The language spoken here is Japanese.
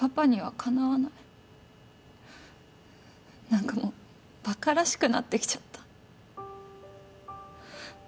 何かもうバカらしくなってきちゃった。